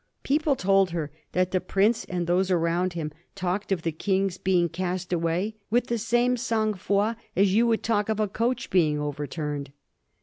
People told her that the prince and those around him talked of the King's being cast away ^^ with the same sang froid as you would talk of a coach being overturned."